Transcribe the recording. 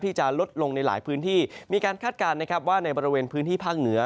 ที่จะลดลงในหลายพื้นที่มีการคาดการณ์นะครับว่าในบริเวณพื้นที่ภาคเหนือ